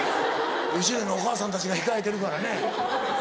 後ろにお母さんたちが控えてるからね。